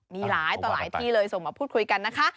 มีหลายต่อหลายที่เลยส่งมาพูดคุยกันนะคะ